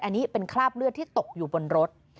อันนี้เป็นคราบเลือดที่ตกอยู่บนรถ